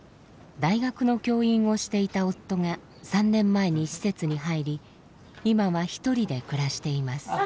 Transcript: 大学の教員をしていた夫が３年前に施設に入り今は一人で暮らしています。